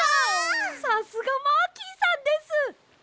さすがマーキーさんです！